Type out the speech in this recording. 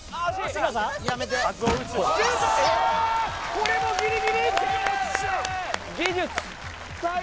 これもギリギリ！技術！